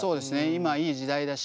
今いい時代だし。